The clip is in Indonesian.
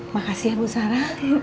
makasih ya bu sarah